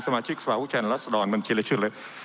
สมาชิกสภาพุทธแชนและสะดอนมันคิดละชื่อเลย